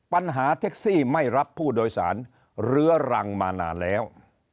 ปัญหาแท็กซี่ไม่รับผู้โดยสารเรื้อรังมานานแล้ว